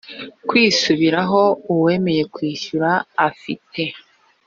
kwisubiraho uwemeye kwishyura afite